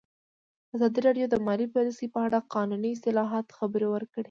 ازادي راډیو د مالي پالیسي په اړه د قانوني اصلاحاتو خبر ورکړی.